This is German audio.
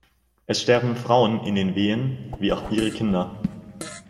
Es sterben Frauen in den Wehen wie auch ihre Kinder.